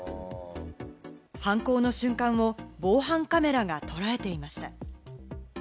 犯行の瞬間を防犯カメラが捉えていました。